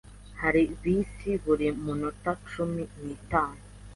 Hari bisi buri minota cumi n'itanu.